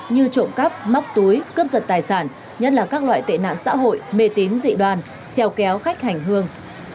như trộm cắp móc túi cướp giật tài sản nhất là các loại tệ nạn xã hội mê tín dị đoàn treo kéo khách hành hương